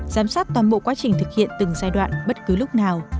giám sát toàn bộ quá trình thực hiện từng giai đoạn bất cứ lúc nào